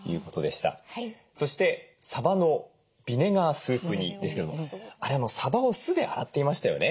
そしてさばのビネガースープ煮ですけどもあれさばを酢で洗っていましたよね。